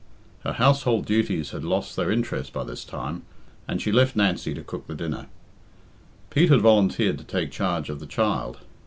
Her household duties had lost their interest by this time, and she left Nancy to cook the dinner. Pete had volunteered to take charge of the child.